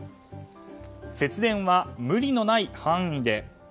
節電は無理のない範囲で。